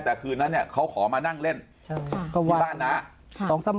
แต่คืนนั้นเนี่ยเขาขอมานั่งเล่นที่บ้านน้า